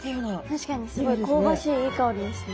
確かにすごい香ばしいいい香りですね。